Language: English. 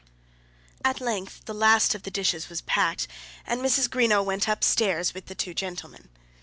At length the last of the dishes was packed and Mrs. Greenow went up stairs with the two gentlemen.